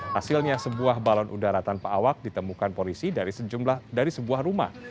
hasilnya sebuah balon udara tanpa awak ditemukan polisi dari sebuah rumah